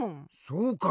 そうか。